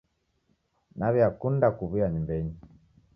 Naw'eakunda kuw'uya nyumbenyi.